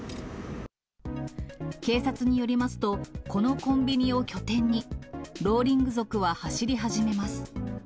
警察によりますと、このコンビニを拠点に、ローリング族は走り始めます。